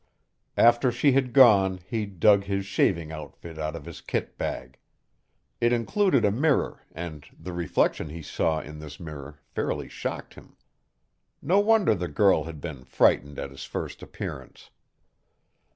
After she had gone he dug his shaving outfit out of his kit bag. It included a mirror and the reflection he saw in this mirror fairly shocked him. No wonder the girl had been frightened at his first appearance.